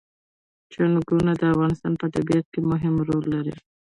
چنګلونه د افغانستان په طبیعت کې مهم رول لري.